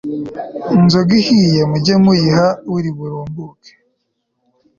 inzoga ihiye, mujye muyiha uri burimbuke